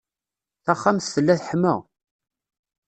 Taxxamt tella teḥma.